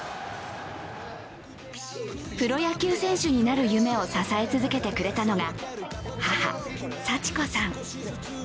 プロ野球選手になることを支え続けてくれたのが母・祥子さん。